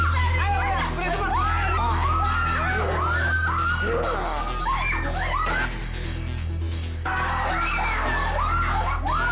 siapa yang mencuri carmilla dari tanganku